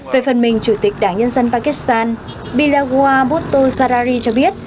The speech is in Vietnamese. về phần mình chủ tịch đảng nhân dân pakistan bilawar bhutto zadari cho biết